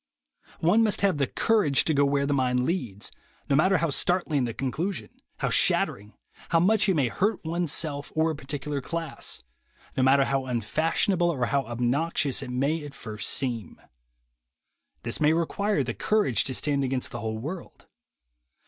One must have the courage THE WAY TO WILL POWER 159 to go where the mind leads, no matter how startling the conclusion, how shattering, how much it may hurt oneself or a particular class, no matter how unfashionable or how obnoxious it may at first seem. This may require the courage to stand against the whole world.